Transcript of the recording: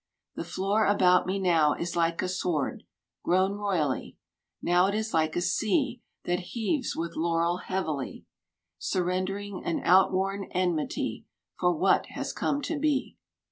The floor about me now is like a sward Grown royally. Now it is like a sea That heaves with laurel heavily, Surrendering an outworn enmity For what has come to be.